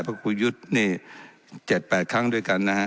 เพราะคุณยุทธ์เนี่ยเจ็ดแปดครั้งด้วยกันนะฮะ